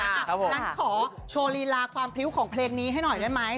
งั้นขอโชว์ลีลาความพริ้วของเพลงนี้ให้หน่อยได้ไหม